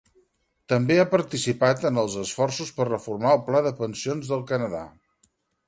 També ha participat en els esforços per reformar el Pla de pensions del Canadà.